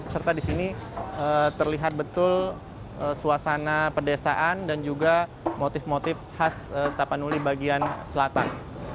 serta di sini terlihat betul suasana pedesaan dan juga motif motif khas tapanuli bagian selatan